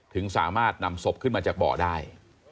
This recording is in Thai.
ถึงสามารถนำศพขึ้นมาจากเบาะได้